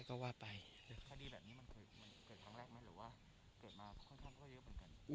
ก็ว่าไปแต่คดีแบบนี้มันเคยเกิดครั้งแรกไหมหรือว่าเกิดมาค่อนข้างเยอะเหมือนกัน